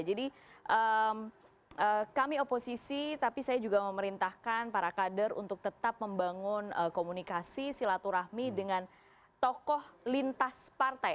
jadi kami oposisi tapi saya juga memerintahkan para kader untuk tetap membangun komunikasi silaturahmi dengan tokoh lintas partai